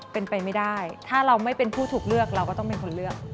เป็นไปไม่ได้ถ้าเราไม่เป็นผู้ถูกเลือกเราก็ต้องเป็นคนเลือก